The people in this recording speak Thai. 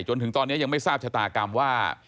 จนถึงตอนนี้ยังไม่ทราบชะตากรรมว่า